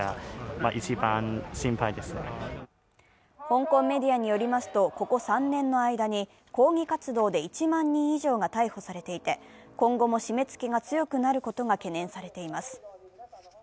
香港メディアによりますと、ここ３年の間に抗議活動で１万人以上が逮捕されていて、今後も締め付けが強くなることが懸念されています。